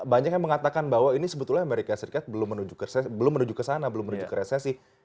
dan banyak yang mengatakan bahwa ini sebetulnya amerika serikat belum menuju ke sana belum menuju ke resesi